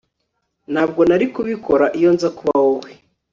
Ntabwo nari kubikora iyo nza kuba wowe